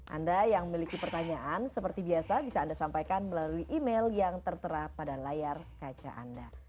anda yang memiliki pertanyaan seperti biasa bisa anda sampaikan melalui email yang tertera pada layar kaca anda